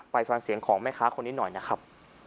ไปฟังเสียงของแม่ค้าคนนี้หน่อยนะครับ